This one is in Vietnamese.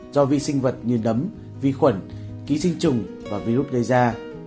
do vi sinh vật như nấm vi khuẩn ký sinh trùng và virus gây ra